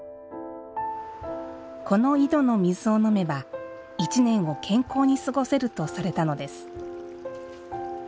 この井戸の水を飲めば一年を健康に過ごせるとされたのです。